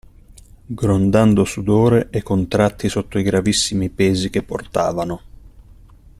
Grondando sudore e contratti sotto i gravissimi pesi che portavano.